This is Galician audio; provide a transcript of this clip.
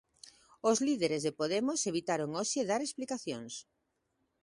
Os líderes de Podemos evitaron hoxe dar explicacións.